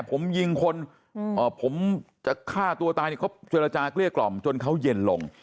ผมยิงคนผมจะฆ่าตัวตายเนี่ยเขาเจรจาเกลี้ยกล่อมจนเขาเย็นลง